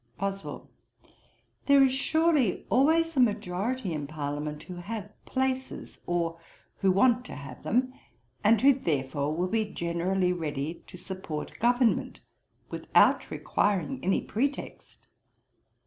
BOSWELL. 'There is surely always a majority in parliament who have places, or who want to have them, and who therefore will be generally ready to support government without requiring any pretext.'